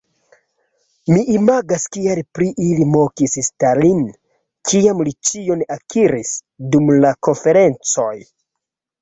Mi imagas kiel pri ili mokis Stalin, kiam li ĉion akiris dum la konferencoj"...